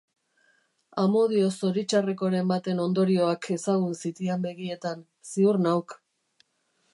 Amodio zoritxarrekoren baten ondorioak ezagun zitian begietan, ziur nauk.